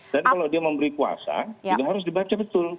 dan kalau dia memberi kuasa juga harus dibaca betul